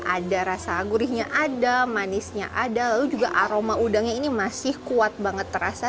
ada rasa gurihnya ada manisnya ada lalu juga aroma udangnya ini masih kuat banget terasa